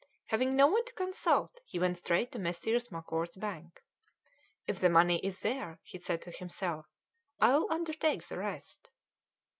Having no one to consult, he went straight to Messrs. Marcuart's bank. "If the money is there," he said to himself, "I'll undertake the rest."